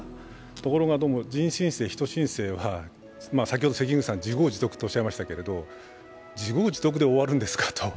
ところがどうも人新世は、先ほど関口さんは自業自得とおっしゃいましたけれども自業自得で終わるんですかと。